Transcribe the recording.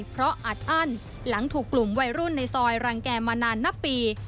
เพราะอัดอั้นหลังถูกกลุ่มวัยรุ่นในซอยรังแก่มานานนับปี